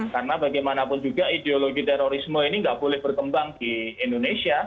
karena bagaimanapun juga ideologi terorisme ini nggak boleh berkembang di indonesia